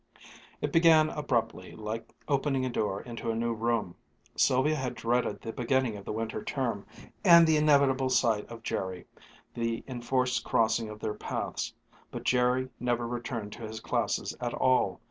It began abruptly, like opening a door into a new room. Sylvia had dreaded the beginning of the winter term and the inevitable sight of Jerry, the enforced crossings of their paths. But Jerry never returned to his classes at all.